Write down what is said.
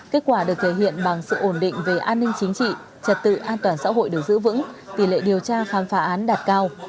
kết quả được thể hiện bằng sự ổn định về an ninh chính trị trật tự an toàn xã hội được giữ vững tỷ lệ điều tra khám phá án đạt cao